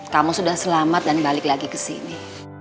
kamu sudah selamat dan balik lagi kesini